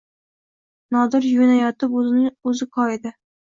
Nodir yuvinayotib o‘zini o‘zi shunday koyidi